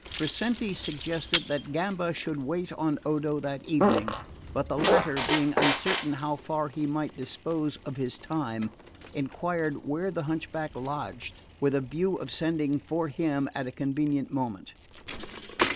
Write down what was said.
Crescenti suggested that Gamba should wait on Odo that evening; but the latter, being uncertain how far he might dispose of his time, enquired where the hunchback lodged, with a view of sending for him at a convenient moment.